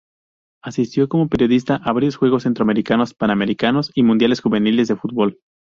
Asistió como periodista a varios juegos Centroamericanos, Panamericanos y Mundiales Juveniles de Fútbol.